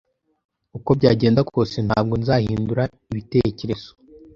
uko byagenda kose, ntabwo nzahindura ibitekerezo.